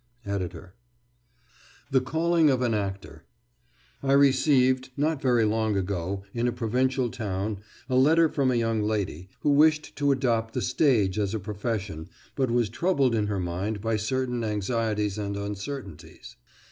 ED.] THE CALLING OF AN ACTOR I received, not very long ago, in a provincial town, a letter from a young lady, who wished to adopt the stage as a profession but was troubled in her mind by certain anxieties and uncertainties.